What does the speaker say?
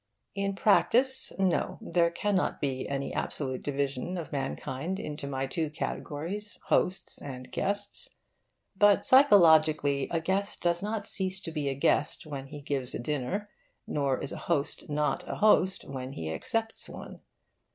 In practice, no, there cannot be any absolute division of mankind into my two categories, hosts and guests. But psychologically a guest does not cease to be a guest when he gives a dinner, nor is a host not a host when he accepts one.